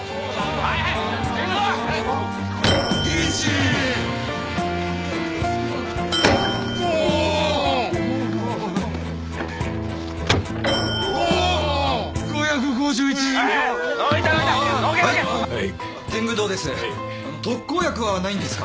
はい特効薬はないんですか？